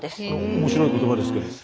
面白い言葉ですけど。